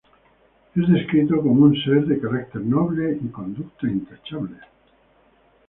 Es descrito como un ser de carácter noble y conducta intachable.